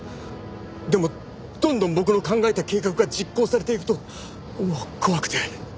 でもどんどん僕の考えた計画が実行されていくともう怖くて。